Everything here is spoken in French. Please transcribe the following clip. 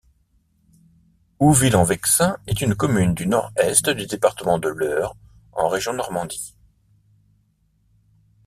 Houville-en-Vexin est une commune du Nord-Est du département de l'Eure en région Normandie.